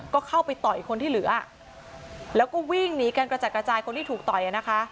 ก็เข้าไปต่อยคนที่เหลือแล้วก็วิ่งหนีกันกระจัดกระจายคนที่ถูกต่อยนะคะ